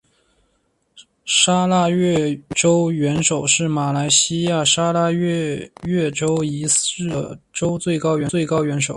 砂拉越州元首是马来西亚砂拉越州仪式上的州最高元首。